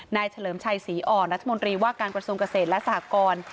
เฉลิมชัยศรีอ่อนรัฐมนตรีว่าการกระทรวงเกษตรและสหกร